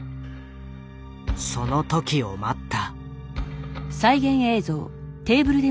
その時を待った。